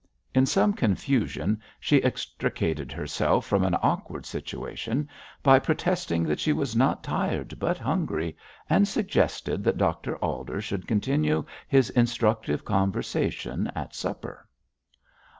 In some confusion she extricated herself from an awkward situation by protesting that she was not tired but hungry, and suggested that Dr Alder should continue his instructive conversation at supper.